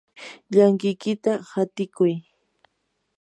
llankikiyta hatikuy.